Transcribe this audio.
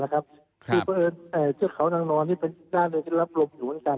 คือเผื่อเอิญเชื้อเขานางนอนเป็นหน้าเนื้อที่รับลมอยู่เหมือนกัน